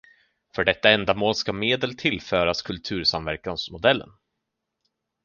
För detta ändamål ska medel tillföras Kultursamverkansmodellen.